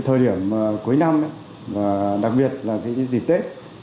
thời điểm cuối năm đặc biệt là dịp tết